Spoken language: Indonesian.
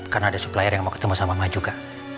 karena ada penyelenggara yang mau ketemu sama mama juga